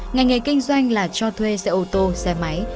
ngành nghề kinh doanh là cho thuê xe ô tô xe máy